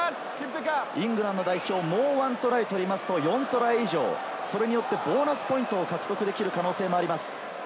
イングランド代表、もう１トライ取りますと４トライ以上、それによってボーナスポイントを獲得できる可能性もあります。